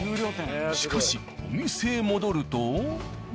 しかしお店へ戻ると。